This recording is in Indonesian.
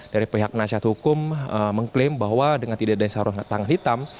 dari pihak nasihat hukum mengklaim bahwa dengan tidak adanya sarung tangan hitam